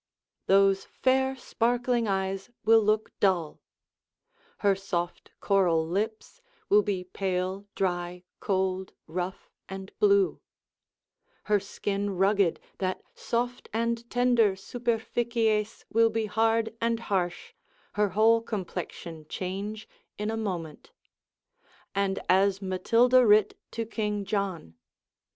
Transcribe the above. Those fair sparkling eyes will look dull, her soft coral lips will be pale, dry, cold, rough, and blue, her skin rugged, that soft and tender superficies will be hard and harsh, her whole complexion change in a moment, and as Matilda writ to King John.